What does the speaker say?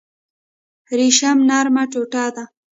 ریشم نرمه ټوټه ده